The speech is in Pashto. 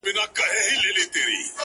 له خدای وطن سره عجیبه مُحبت کوي!